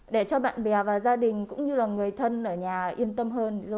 để cho bạn bè và gia đình cũng như là người thân ở nhà yên tâm hơn